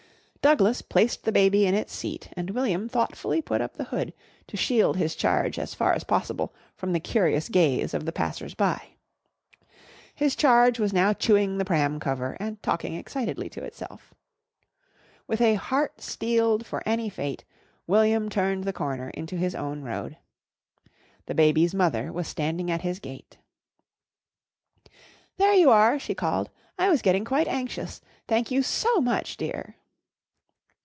Douglas placed the baby in its seat and William thoughtfully put up the hood to shield his charge as far as possible from the curious gaze of the passers by. His charge was now chewing the pram cover and talking excitedly to itself. With a "heart steeled for any fate" William turned the corner into his own road. The baby's mother was standing at his gate. "There you are!" she called. "I was getting quite anxious. Thank you so much, dear."